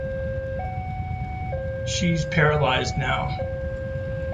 She's paralyzed now.